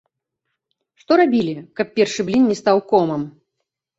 Што рабілі, каб першы блін не стаў комам?